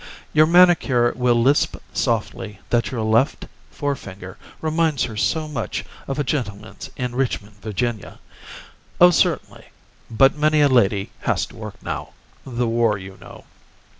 Your manicure will lisp softly that your left forefinger reminds her so much of a gentleman's in Richmond, Va. Oh, certainly; but many a lady has to work now—the war, you know.